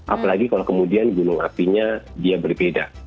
apalagi kalau kemudian gunung apinya dia berbeda